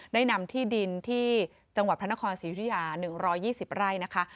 ได้นำที่ดินที่จังหวัดพระนครศรียุธิยา๑๒๐ไร่นะคะ